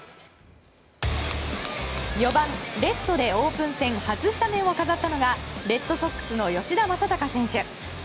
４番、レフトでオープン戦初スタメンを飾ったのがレッドソックスの吉田正尚選手。